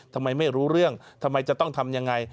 ทำไมไม่รู้เรื่องทำไมจะต้องทำยังไง